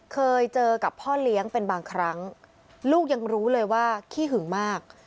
เคยเจอกับพ่อเลี้ยงเป็นบางครั้งลูกยังรู้เลยว่าขี้หึงมาก